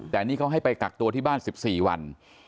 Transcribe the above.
แต่นี่เขาให้ไปกักตัวที่บ้าน๑๔วัน